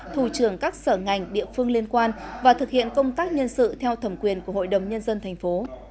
thủ trường các sở ngành địa phương liên quan và thực hiện công tác nhân sự theo thẩm quyền của hội đồng nhân dân tp